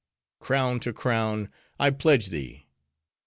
crown to crown, I pledge thee!